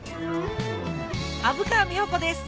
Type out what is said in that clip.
虻川美穂子です